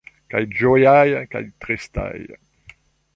Kaj ĝojaj, kaj tristaj.